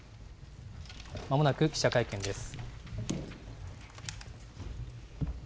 まもなく記者会見です。